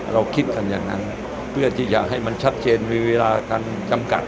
เราคิดกันอย่างนั้นเพื่อที่จะให้มันชัดเจนมีเวลาการจำกัด